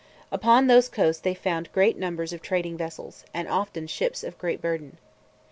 Upon those coasts they found great numbers of trading vessels, and often ships of great burden.